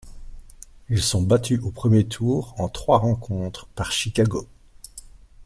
Ils sont battus au premier tour en trois rencontres par Chicago.